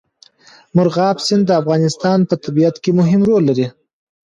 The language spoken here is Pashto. مورغاب سیند د افغانستان په طبیعت کې مهم رول لري.